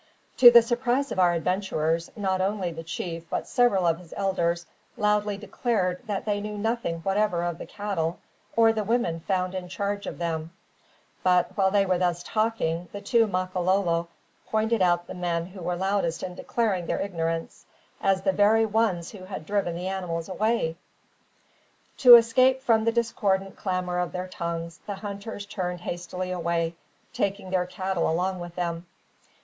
To the surprise of our adventurers, not only the chief but several of his elders loudly declared that they knew nothing whatever of the cattle, or the women found in charge of them; but, while they were thus talking, the two Makololo pointed out the men who were loudest in declaring their ignorance, as the very ones who had driven the animals away! To escape from the discordant clamour of their tongues, the hunters turned hastily away, taking their cattle along with them.